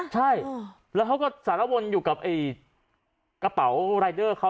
ใช่แล้วเขาก็สารวนอยู่กับกระเป๋ารายเดอร์เขา